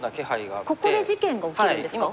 ここで事件が起きるんですか？